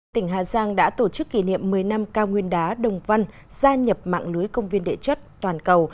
tỉnh hà giang đã tổ chức kỷ niệm một mươi năm cao nguyên đá đồng văn gia nhập mạng lưới công viên đệ chất toàn cầu